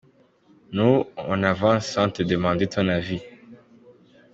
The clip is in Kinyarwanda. Nous, on avance sans te demander ton avis.